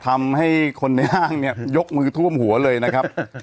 ทำให้คนในห้างเนี่ยยกมือท่วมหัวเลยนะครับ